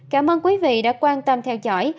cảm ơn quý vị đã quan tâm theo dõi